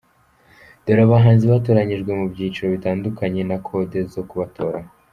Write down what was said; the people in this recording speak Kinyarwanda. Dore abahanzi batoranyijwe mu byiciro bitandukanye na code zo kubatoraho:.